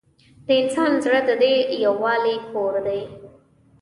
د انسان زړه د دې یووالي کور دی.